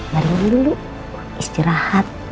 mari dulu istirahat